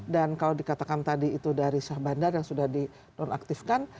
dan kalau dikatakan tadi itu dari sahabat bandar yang sudah di nonaktifkan